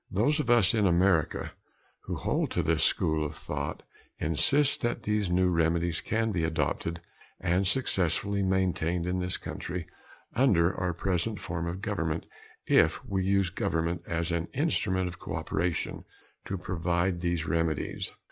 Those of us in America who hold to this school of thought, insist that these new remedies can be adopted and successfully maintained in this country under our present form of government if we use government as an instrument of cooperation to provide these remedies.